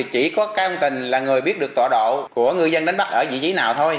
chỉ có cao văn tình là người biết được tọa độ của người dân đến bắt ở vị trí nào thôi